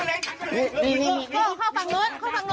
อีไปอีมาน